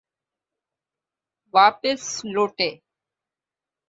واپس لوٹے۔